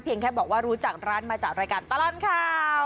แค่บอกว่ารู้จักร้านมาจากรายการตลอดข่าว